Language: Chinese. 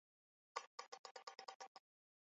龙游站的接驳交通主要位于站前广场。